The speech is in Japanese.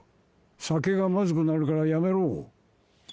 酒がまずくなるからやめろ。